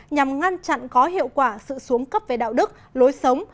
nhằm ngăn chặn có hiệu quả sự xuống cấp về đạo đức lối sống